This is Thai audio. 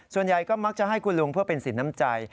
ส่วนใหญ่ก็มักจะให้คุณลุงเพื่อเป็นสินน้ำใจ